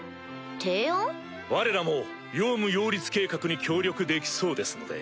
われらもヨウム擁立計画に協力できそうですので。